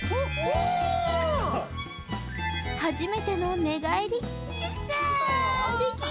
初めての寝返り。